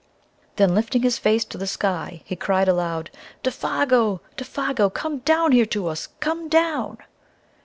Then, lifting his face to the sky, he cried aloud, "Défago, Défago! Come down here to us! Come down